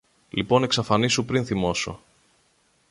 Λοιπόν εξαφανίσου πριν θυμώσω.